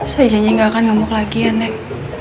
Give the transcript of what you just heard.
saya janji gak akan ngamuk lagi ya nek